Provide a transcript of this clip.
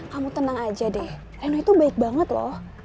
kamu tenang aja deh nu itu baik banget loh